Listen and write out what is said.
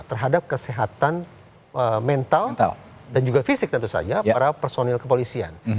terhadap kesehatan mental dan juga fisik tentu saja para personil kepolisian